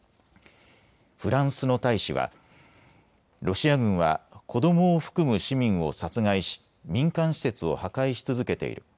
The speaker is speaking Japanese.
フランスの大使はロシア軍は子どもを含む市民を殺害し民間施設を破壊し続けている。